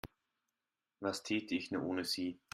Was täte ich nur ohne Sie?